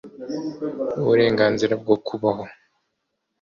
Uburenganzira bwo kubaho